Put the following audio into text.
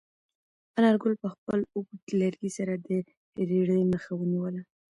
انارګل په خپل اوږد لرګي سره د رېړې مخه ونیوله.